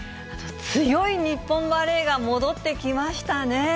強い日本バレーが戻ってきましたね。